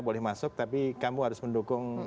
boleh masuk tapi kamu harus mendukung